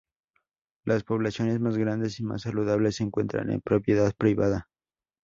Las poblaciones más grandes y más saludables se encuentran en propiedad privada.